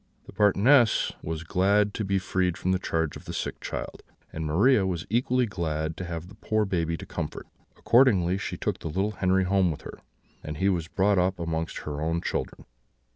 The Marchioness was glad to be freed from the charge of the sick child, and Maria was equally glad to have the poor baby to comfort. Accordingly, she took the little Henri home with her, and he was brought up amongst her own children.